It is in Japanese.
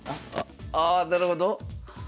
ああなるほど。